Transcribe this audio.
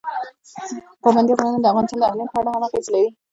پابندی غرونه د افغانستان د امنیت په اړه هم اغېز لري.